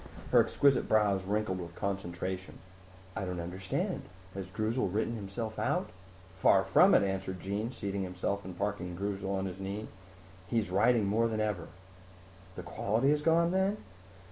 Her exquisite brows wrinkled with concentration. "I don't understand. Has Droozle written himself out?" "Far from it," answered Jean, seating himself and parking Droozle on his knee. "He's writing more than ever." "The quality is gone, then?"